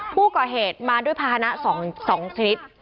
ผู้ก่อเหตุมาด้วยภาษณะ๒ชนิด